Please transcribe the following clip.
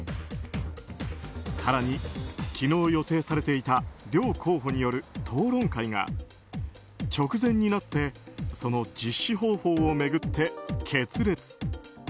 更に、昨日予定されていた両候補による討論会が直前になってその実施方法を巡って決裂。